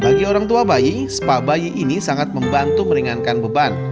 bagi orang tua bayi spa bayi ini sangat membantu meringankan beban